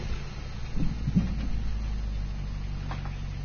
এবং বন্দী করে।